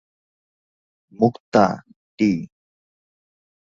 মুক্তা, টি।